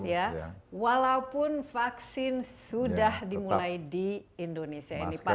ya walaupun vaksin sudah dimulai di indonesia ini pak